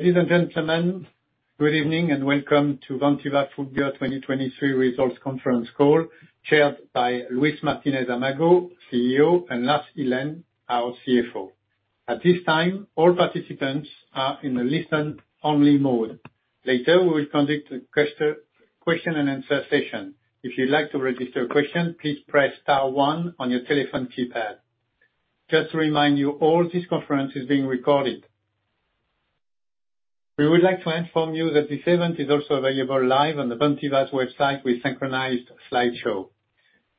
Ladies and gentlemen, good evening and welcome to Vantiva full year 2023 Results Conference call, chaired by Luis Martínez-Amago, CEO, and Lars Ihlen, our CFO. At this time, all participants are in the listen-only mode. Later, we will conduct a question-and-answer session. If you'd like to register a question, please press star 1 on your telephone keypad. Just to remind you, all this conference is being recorded. We would like to inform you that this event is also available live on the Vantiva's website with synchronized slideshow.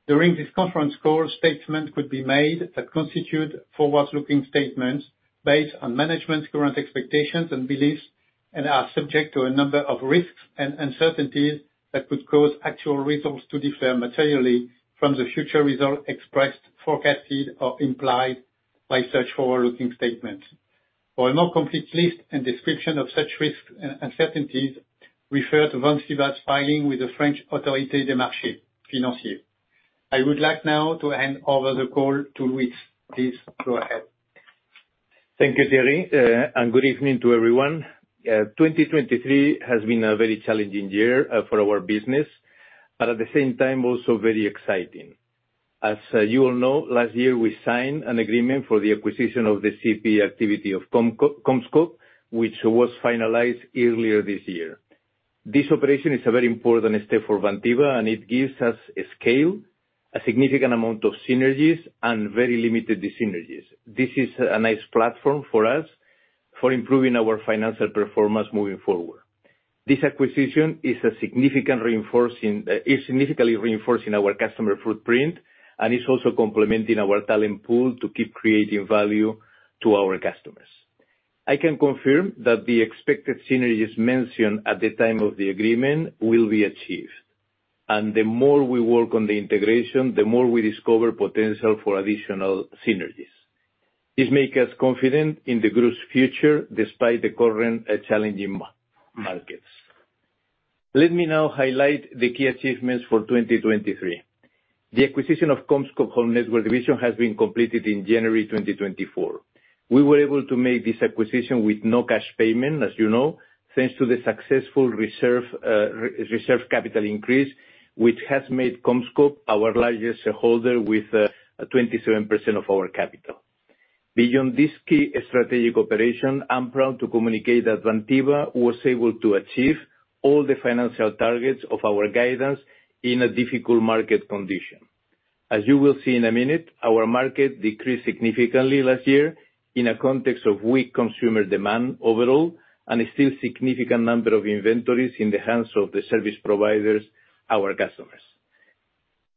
During this conference call, statements could be made that constitute forward-looking statements based on management's current expectations and beliefs, and are subject to a number of risks and uncertainties that could cause actual results to differ materially from the future result expressed, forecasted, or implied by such forward-looking statements. For a more complete list and description of such risks and uncertainties, refer to Vantiva's filing with the French Autorité des marchés financiers. I would like now to hand over the call to Luis. Please go ahead. Thank you, Thierry, and good evening to everyone. 2023 has been a very challenging year for our business, but at the same time, also very exciting. As you all know, last year we signed an agreement for the acquisition of the CPE activity of CommScope, which was finalized earlier this year. This operation is a very important step for Vantiva, and it gives us scale, a significant amount of synergies, and very limited dyssynergies. This is a nice platform for us for improving our financial performance moving forward. This acquisition is significantly reinforcing our customer footprint, and it's also complementing our talent pool to keep creating value to our customers. I can confirm that the expected synergies mentioned at the time of the agreement will be achieved, and the more we work on the integration, the more we discover potential for additional synergies. This makes us confident in the group's future despite the current challenging markets. Let me now highlight the key achievements for 2023. The acquisition of CommScope Home Networks division has been completed in January 2024. We were able to make this acquisition with no cash payment, as you know, thanks to the successful reserved capital increase, which has made CommScope our largest shareholder with 27% of our capital. Beyond this key strategic operation, I'm proud to communicate that Vantiva was able to achieve all the financial targets of our guidance in a difficult market condition. As you will see in a minute, our market decreased significantly last year in a context of weak consumer demand overall and a still significant number of inventories in the hands of the service providers, our customers.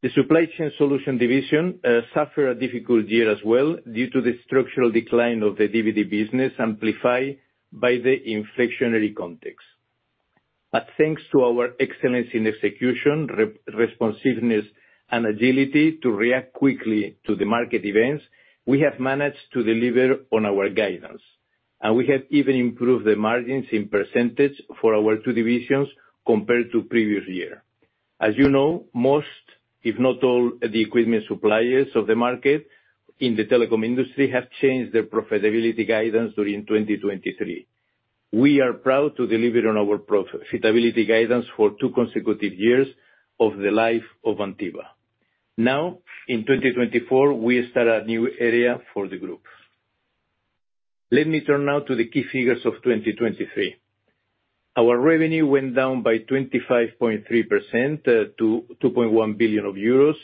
The Supply Chain Solutions division suffered a difficult year as well due to the structural decline of the DVD business amplified by the inflationary context. But thanks to our excellence in execution, responsiveness, and agility to react quickly to the market events, we have managed to deliver on our guidance, and we have even improved the margins in percentage for our two divisions compared to the previous year. As you know, most, if not all, the equipment suppliers of the market in the telecom industry have changed their profitability guidance during 2023. We are proud to deliver on our profitability guidance for two consecutive years of the life of Vantiva. Now, in 2024, we start a new era for the group. Let me turn now to the key figures of 2023. Our revenue went down by 25.3% to 2.1 billion euros,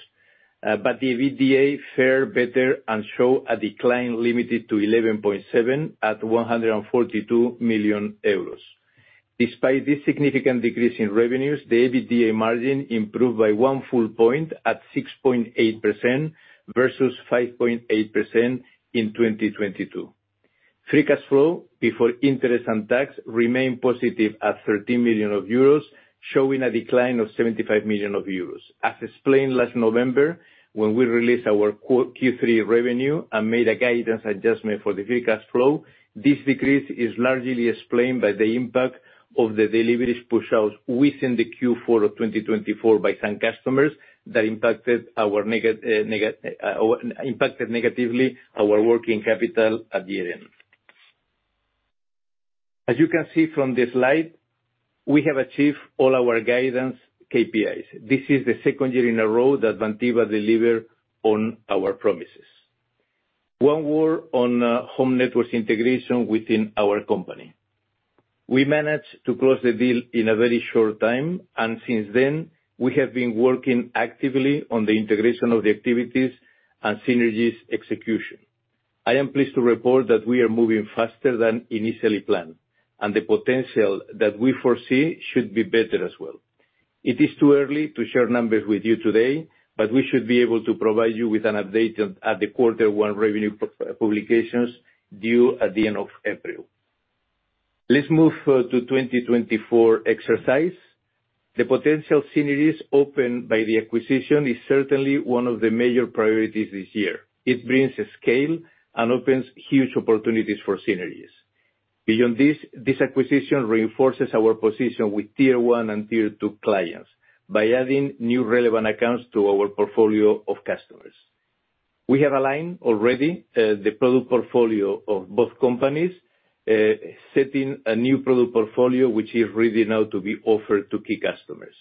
but the EBITDA fared better and showed a decline limited to 11.7% at 142 million euros. Despite this significant decrease in revenues, the EBITDA margin improved by one full point at 6.8% versus 5.8% in 2022. Free cash flow before interest and tax remained positive at 13 million euros, showing a decline of 75 million euros. As explained last November when we released our Q3 revenue and made a guidance adjustment for the free cash flow, this decrease is largely explained by the impact of the deliveries push-outs within the Q4 of 2024 by some customers that impacted negatively our working capital at the end. As you can see from this slide, we have achieved all our guidance KPIs. This is the second year in a row that Vantiva delivered on our promises. One more on home networks integration within our company. We managed to close the deal in a very short time, and since then, we have been working actively on the integration of the activities and synergies execution. I am pleased to report that we are moving faster than initially planned, and the potential that we foresee should be better as well. It is too early to share numbers with you today, but we should be able to provide you with an update at the quarter one revenue publications due at the end of April. Let's move to the 2024 exercise. The potential synergies opened by the acquisition is certainly one of the major priorities this year. It brings scale and opens huge opportunities for synergies. Beyond this, this acquisition reinforces our position with Tier 1 and Tier 2 clients by adding new relevant accounts to our portfolio of customers. We have aligned already the product portfolio of both companies, setting a new product portfolio which is ready now to be offered to key customers.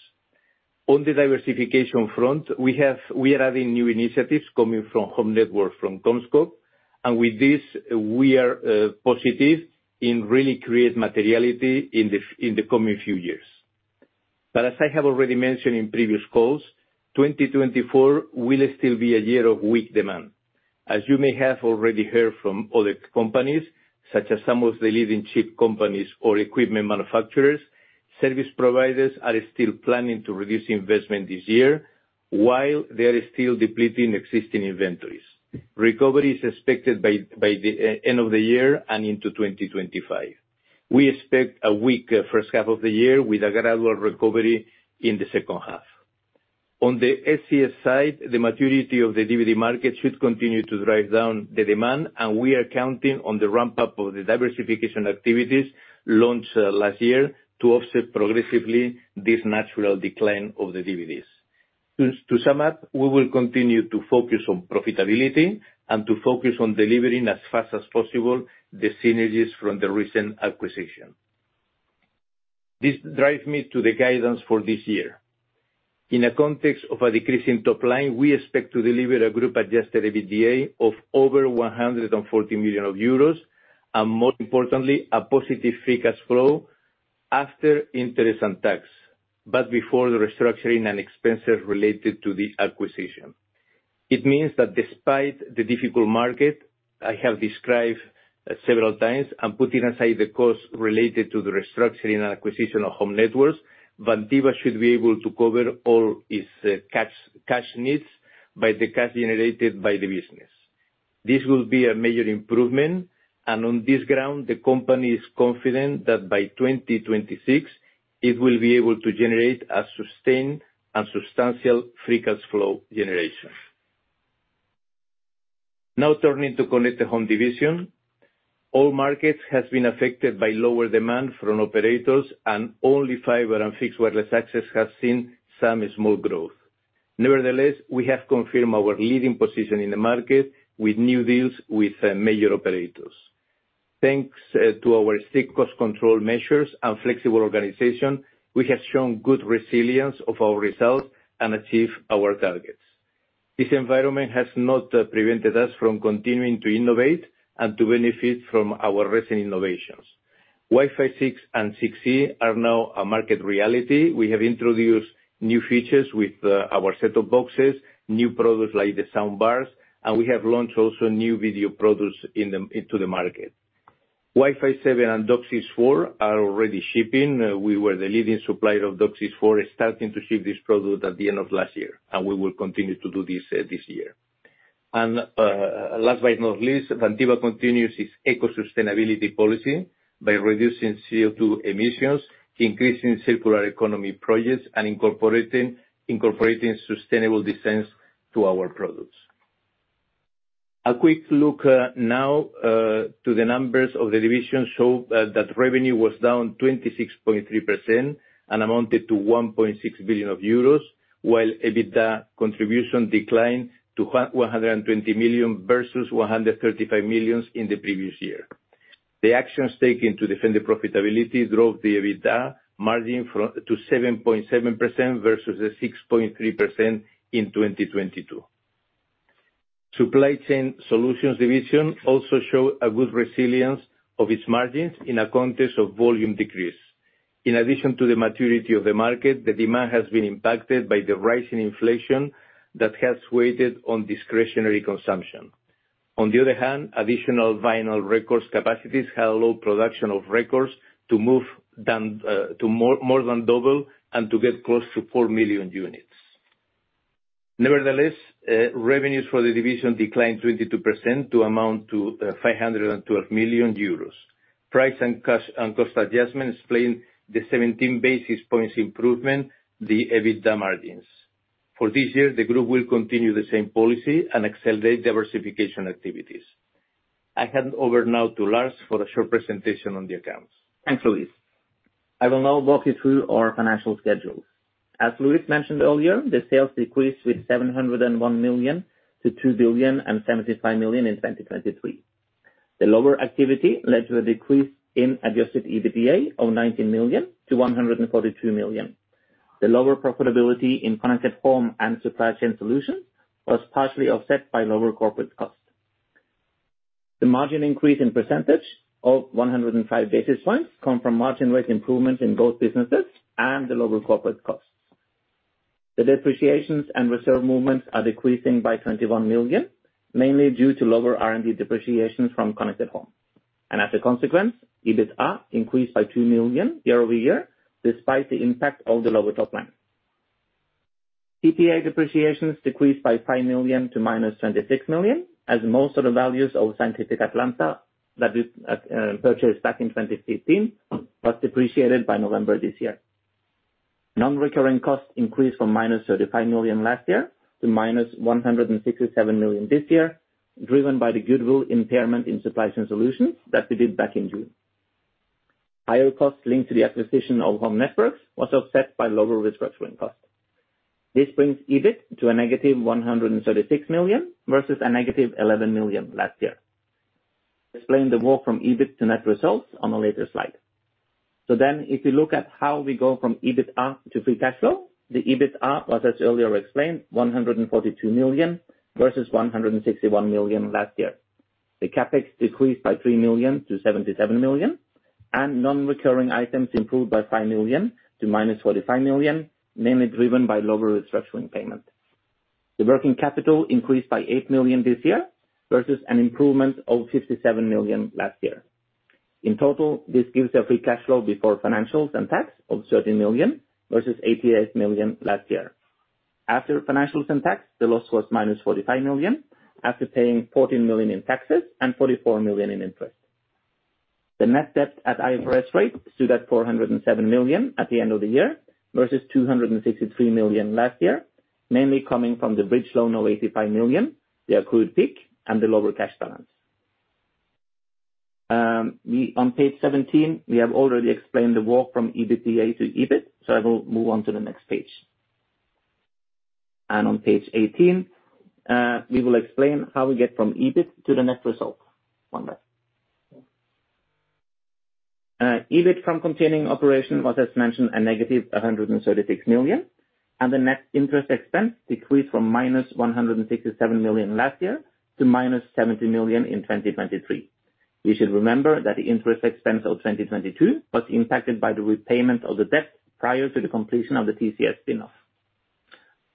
On the diversification front, we are adding new initiatives coming from Home Networks from CommScope, and with this, we are positive in really creating materiality in the coming few years. But as I have already mentioned in previous calls, 2024 will still be a year of weak demand. As you may have already heard from other companies, such as some of the leading chip companies or equipment manufacturers, service providers are still planning to reduce investment this year while they are still depleting existing inventories. Recovery is expected by the end of the year and into 2025. We expect a weak first half of the year with a gradual recovery in the second half. On the SCS side, the maturity of the DVD market should continue to drive down the demand, and we are counting on the ramp-up of the diversification activities launched last year to offset progressively this natural decline of the DVDs. To sum up, we will continue to focus on profitability and to focus on delivering as fast as possible the synergies from the recent acquisition. This drives me to the guidance for this year. In a context of a decrease in top line, we expect to deliver a group Adjusted EBITDA of over 140 million euros and, more importantly, a positive free cash flow after interest and tax, but before the restructuring and expenses related to the acquisition. It means that despite the difficult market I have described several times and putting aside the costs related to the restructuring and acquisition of Home Networks, Vantiva should be able to cover all its cash needs by the cash generated by the business. This will be a major improvement, and on this ground, the company is confident that by 2026, it will be able to generate a sustained and substantial free cash flow generation. Now, turning to Connected Home division, all markets have been affected by lower demand from operators, and only fiber and fixed wireless access has seen some small growth. Nevertheless, we have confirmed our leading position in the market with new deals with major operators. Thanks to our strict cost control measures and flexible organization, we have shown good resilience of our results and achieved our targets. This environment has not prevented us from continuing to innovate and to benefit from our recent innovations. Wi-Fi 6 and 6E are now a market reality. We have introduced new features with our set-top boxes, new products like the soundbars, and we have launched also new video products into the market. Wi-Fi 7 and DOCSIS 4 are already shipping. We were the leading supplier of DOCSIS 4, starting to ship this product at the end of last year, and we will continue to do this this year. And last but not least, Vantiva continues its eco-sustainability policy by reducing CO2 emissions, increasing circular economy projects, and incorporating sustainable designs to our products. A quick look now to the numbers of the division show that revenue was down 26.3% and amounted to 1.6 billion euros, while EBITDA contribution declined to 120 million versus 135 million in the previous year. The actions taken to defend the profitability drove the EBITDA margin to 7.7% versus 6.3% in 2022. Supply Chain Solutions division also showed a good resilience of its margins in a context of volume decrease. In addition to the maturity of the market, the demand has been impacted by the rising inflation that has weighed on discretionary consumption. On the other hand, additional vinyl records capacities had a low production of records to move more than double and to get close to 4 million units. Nevertheless, revenues for the division declined 22% to amount to 512 million euros. Price and cost adjustment explained the 17 basis points improvement, the EBITDA margins. For this year, the group will continue the same policy and accelerate diversification activities. I hand over now to Lars for a short presentation on the accounts. Thanks, Luis. I will now walk you through our financial schedules. As Luis mentioned earlier, the sales decreased by 701 million to 2.75 million in 2023. The lower activity led to a decrease in Adjusted EBITDA of 19 million to 142 million. The lower profitability in Connected Home and Supply Chain Solutions was partially offset by lower corporate costs. The margin increase in percentage of 105 basis points comes from margin rate improvements in both businesses and the lower corporate costs. The depreciations and reserve movements are decreasing by 21 million, mainly due to lower R&D depreciations from Connected Home. As a consequence, EBITDA increased by 2 million year-over-year despite the impact of the lower top line. PPA depreciations decreased by 5 million to -26 million, as most of the values of Scientific Atlanta that we purchased back in 2015 were depreciated by November this year. Non-recurring costs increased from -35 million last year to -167 million this year, driven by the goodwill impairment in Supply Chain Solutions that we did back in June. Higher costs linked to the acquisition of Home Networks were offset by lower restructuring costs. This brings EBIT to a negative 136 million versus a negative 11 million last year. I explained the walk from EBIT to net results on a later slide. So then, if you look at how we go from EBITDA to free cash flow, the EBITDA was, as earlier explained, 142 million versus 161 million last year. The CapEx decreased by 3 million to 77 million, and non-recurring items improved by 5 million to -45 million, mainly driven by lower restructuring payment. The working capital increased by 8 million this year versus an improvement of 57 million last year. In total, this gives a free cash flow before financials and tax of 13 million versus 88 million last year. After financials and tax, the loss was -45 million after paying 14 million in taxes and 44 million in interest. The net debt at IFRS rate stood at 407 million at the end of the year versus 263 million last year, mainly coming from the bridge loan of 85 million, the accrued PIK, and the lower cash balance. On page 17, we have already explained the walk from EBITDA to EBIT, so I will move on to the next page. On page 18, we will explain how we get from EBIT to the net result. One moment. EBIT from continuing operations was, as mentioned, a negative 136 million, and the net interest expense decreased from -167 million last year to -70 million in 2023. You should remember that the interest expense of 2022 was impacted by the repayment of the debt prior to the completion of the TCS spinoff.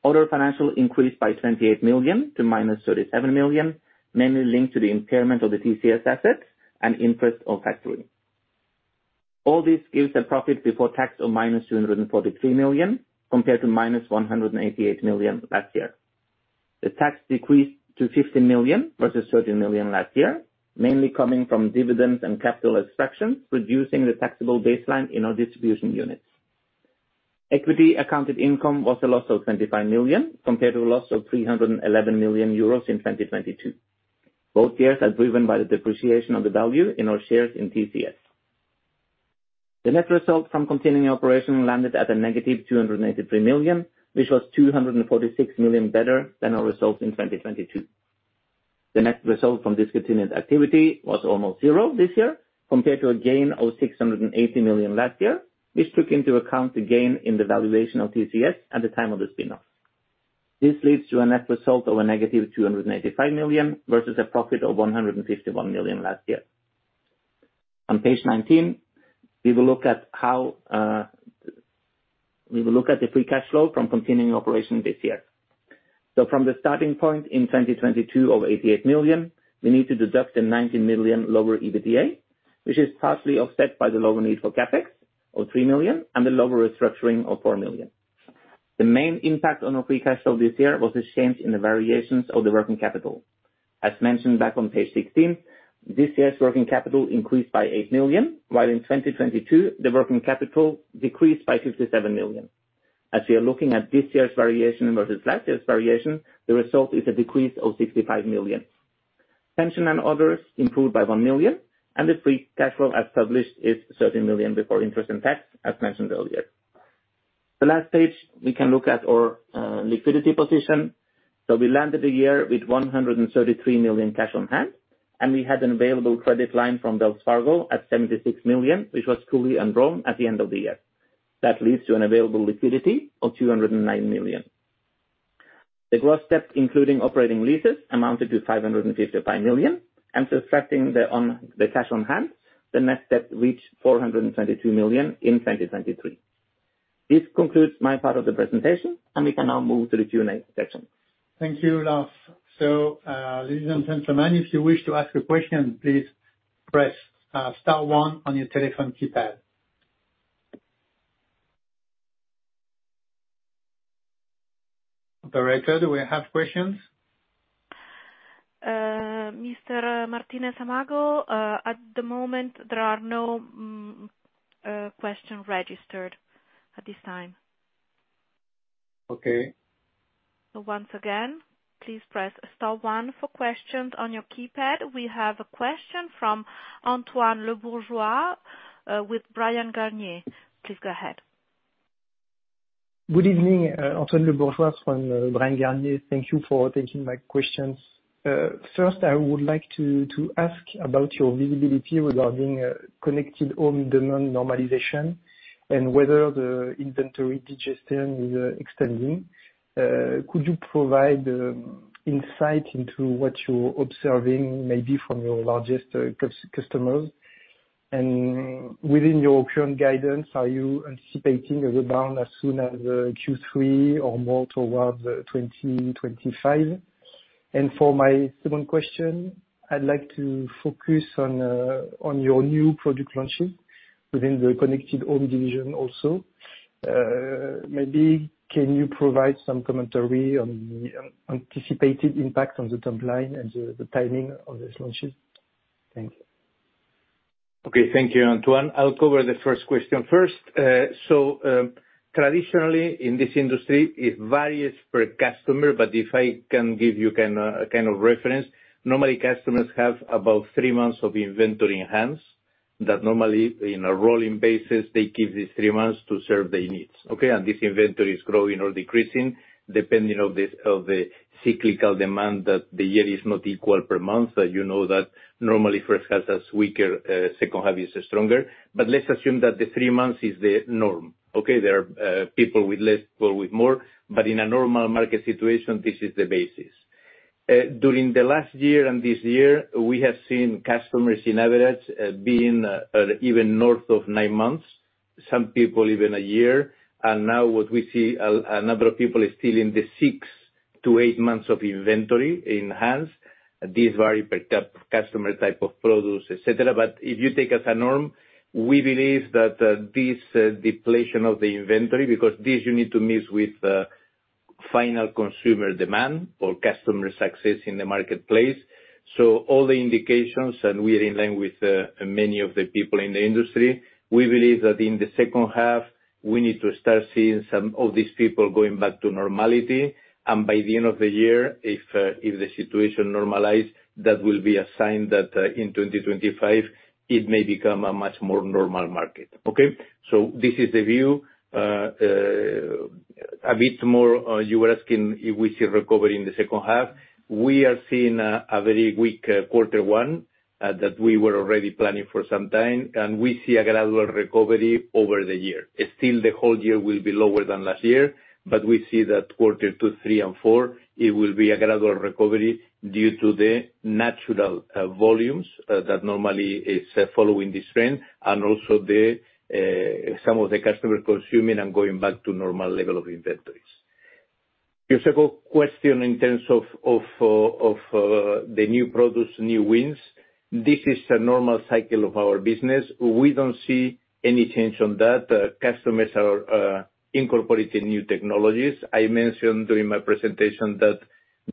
Other financial increased by 28 million to -37 million, mainly linked to the impairment of the TCS assets and interest on factoring. All this gives a profit before tax of -243 million compared to -188 million last year. The tax decreased to 15 million versus 13 million last year, mainly coming from dividends and capital extractions, reducing the taxable baseline in our distribution units. Equity accounted income was a loss of 25 million compared to a loss of 311 million euros in 2022. Both years are driven by the depreciation of the value in our shares in TCS. The net result from continuing operations landed at a negative 283 million, which was 246 million better than our results in 2022. The net result from discontinued activity was almost zero this year compared to a gain of 680 million last year, which took into account the gain in the valuation of TCS at the time of the spinoff. This leads to a net result of a negative 285 million versus a profit of 151 million last year. On page 19, we will look at how we will look at the free cash flow from continuing operations this year. So from the starting point in 2022 of 88 million, we need to deduct the 19 million lower EBITDA, which is partially offset by the lower need for CapEx of 3 million and the lower restructuring of 4 million. The main impact on our free cash flow this year was a change in the variations of the working capital. As mentioned back on page 16, this year's working capital increased by 8 million, while in 2022, the working capital decreased by 57 million. As we are looking at this year's variation versus last year's variation, the result is a decrease of 65 million. Pension and others improved by 1 million, and the free cash flow as published is 13 million before interest and tax, as mentioned earlier. The last page, we can look at our liquidity position. So we landed the year with 133 million cash on hand, and we had an available credit line from Wells Fargo at 76 million, which was fully enrolled at the end of the year. That leads to an available liquidity of 209 million. The gross debt, including operating leases, amounted to 555 million, and subtracting the cash on hand, the net debt reached 422 million in 2023. This concludes my part of the presentation, and we can now move to the Q&A section. Thank you, Lars. Ladies and gentlemen, if you wish to ask a question, please press star one on your telephone keypad. Operator, do we have questions? Mr. Martínez-Amago, at the moment, there are no questions registered at this time. Okay. Once again, please press star one for questions on your keypad. We have a question from Antoine Le Bourgeois with Bryan Garnier. Please go ahead. Good evening, Antoine Le Bourgeois from Bryan Garnier. Thank you for taking my questions. First, I would like to ask about your visibility regarding Connected Home demand normalization and whether the inventory digestion is extending. Could you provide insight into what you're observing maybe from your largest customers? Within your current guidance, are you anticipating a rebound as soon as Q3 or more towards 2025? For my second question, I'd like to focus on your new product launches within the Connected Home division also. Maybe can you provide some commentary on the anticipated impact on the top line and the timing of these launches? Thank you. Okay. Thank you, Antoine. I'll cover the first question first. So traditionally, in this industry, it varies per customer, but if I can give you kind of reference, normally customers have about 3 months of inventory in hand that normally in a rolling basis, they give these 3 months to serve their needs, okay? And this inventory is growing or decreasing depending on the cyclical demand that the year is not equal per month. You know that normally first half is weaker, second half is stronger. But let's assume that the 3 months is the norm, okay? There are people with less, people with more, but in a normal market situation, this is the basis. During the last year and this year, we have seen customers in average being even north of 9 months, some people even 1 year. And now what we see, a number of people are still in the 6-8 months of inventory in hand. This varies per customer type of products, etc. But if you take as a norm, we believe that this depletion of the inventory because this you need to mix with final consumer demand or customer success in the marketplace. So all the indications, and we are in line with many of the people in the industry, we believe that in the second half, we need to start seeing some of these people going back to normality. And by the end of the year, if the situation normalizes, that will be a sign that in 2025, it may become a much more normal market, okay? So this is the view. A bit more, you were asking if we see recovery in the second half. We are seeing a very weak quarter one that we were already planning for some time, and we see a gradual recovery over the year. Still, the whole year will be lower than last year, but we see that quarter two, three, and four, it will be a gradual recovery due to the natural volumes that normally is following this trend and also some of the customers consuming and going back to normal level of inventories. Just a question in terms of the new products, new wins. This is a normal cycle of our business. We don't see any change on that. Customers are incorporating new technologies. I mentioned during my presentation that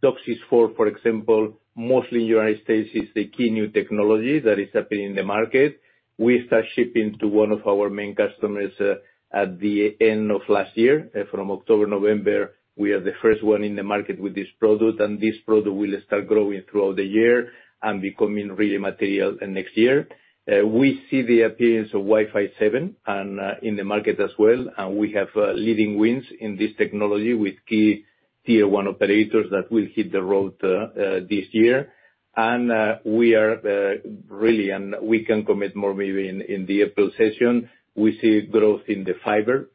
DOCSIS 4.0, for example, mostly in the United States, is the key new technology that is happening in the market. We start shipping to one of our main customers at the end of last year. From October, November, we are the first one in the market with this product, and this product will start growing throughout the year and becoming really material next year. We see the appearance of Wi-Fi 7 in the market as well, and we have leading wins in this technology with key Tier 1 operators that will hit the road this year. And we are really, and we can commit more maybe in the April session, we see growth in the fiber,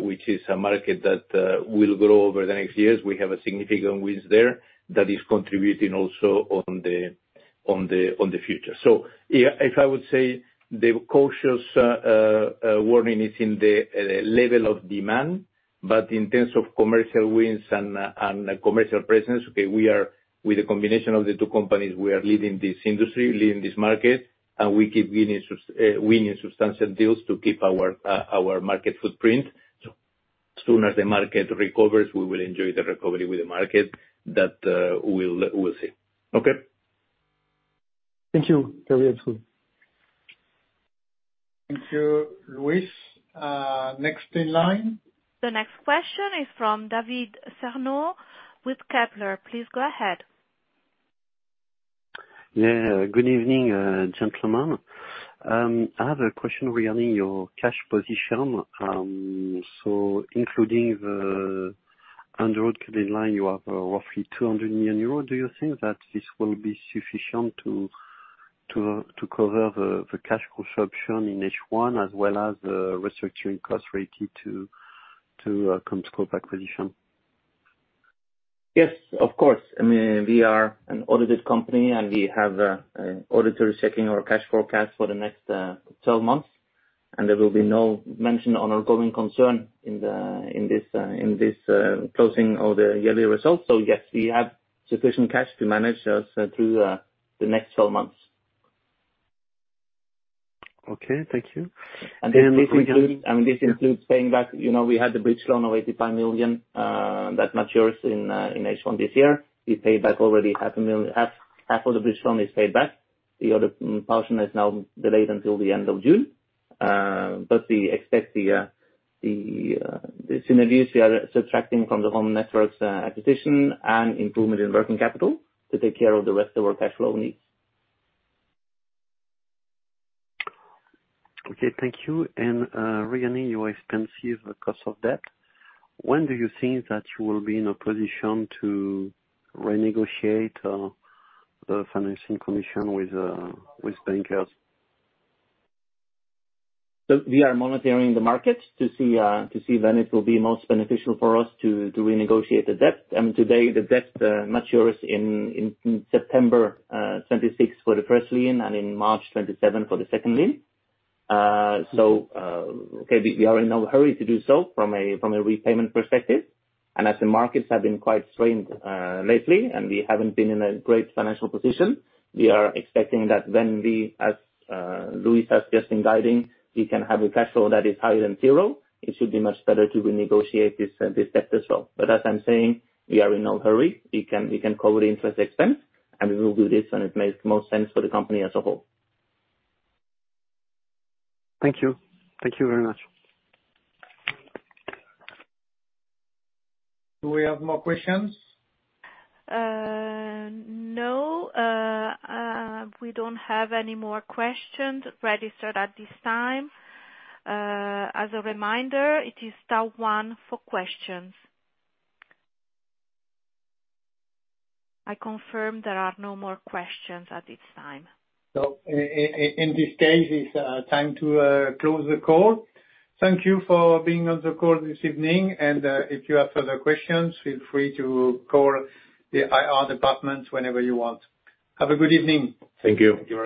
which is a market that will grow over the next years. We have significant wins there that is contributing also on the future. So if I would say the cautious warning is in the level of demand, but in terms of commercial wins and commercial presence, okay, we are with the combination of the two companies, we are leading this industry, leading this market, and we keep winning substantial deals to keep our market footprint. So as soon as the market recovers, we will enjoy the recovery with the market that we'll see, okay? Thank you, Thierry Huon. Thank you, Luis. Next in line. The next question is from David Cerdan with Kepler. Please go ahead. Yeah. Good evening, gentlemen. I have a question regarding your cash position. So including the underwritten credit line, you have roughly 200 million euros. Do you think that this will be sufficient to cover the cash consumption in H1 as well as the restructuring cost related to CommScope acquisition? Yes, of course. I mean, we are an audited company, and we have auditors checking our cash forecast for the next 12 months. And there will be no mention of our going concern in this closing of the yearly results. So yes, we have sufficient cash to manage us through the next 12 months. Okay. Thank you. This includes, I mean, this includes paying back. We had the bridge loan of 85 million that matures in H1 this year. We paid back already half of the bridge loan is paid back. The other portion is now delayed until the end of June. But we expect the synergies we are subtracting from the Home Networks acquisition and improvement in working capital to take care of the rest of our cash flow needs. Okay. Thank you. Regarding your expensive cost of debt, when do you think that you will be in a position to renegotiate the financing condition with bankers? So we are monitoring the market to see when it will be most beneficial for us to renegotiate the debt. I mean, today, the debt matures in September 2026 for the first lien and in March 2027 for the second lien. So okay, we are in no hurry to do so from a repayment perspective. And as the markets have been quite strained lately, and we haven't been in a great financial position, we are expecting that when we, as Luis has just been guiding, we can have a cash flow that is higher than zero, it should be much better to renegotiate this debt as well. But as I'm saying, we are in no hurry. We can cover the interest expense, and we will do this when it makes most sense for the company as a whole. Thank you. Thank you very much. Do we have more questions? No. We don't have any more questions registered at this time. As a reminder, it is star one for questions. I confirm there are no more questions at this time. In this case, it's time to close the call. Thank you for being on the call this evening. If you have further questions, feel free to call the IR department whenever you want. Have a good evening. Thank you.